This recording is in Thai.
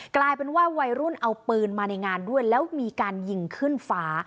กลายเป็นว่าวัยรุ่นเอาปืนมาในงานด้วยแล้วมีการยิงขึ้นฟ้า